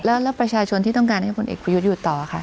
แล้วประชาชนที่ต้องการให้ผลเอกประยุทธ์อยู่ต่อค่ะ